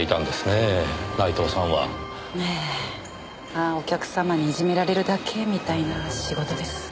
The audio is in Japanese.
まあお客様にいじめられるだけみたいな仕事です。